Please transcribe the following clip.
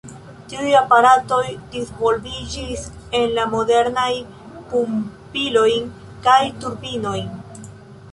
Tiuj aparatoj disvolviĝis en la modernajn pumpilojn kaj turbinojn.